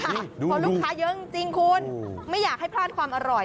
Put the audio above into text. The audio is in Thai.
เพราะลูกค้าเยอะจริงคุณไม่อยากให้พลาดความอร่อย